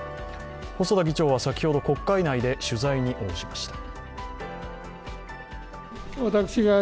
細田議長は先ほど国会内で取材に応じました。